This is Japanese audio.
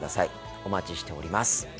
お待ちしております。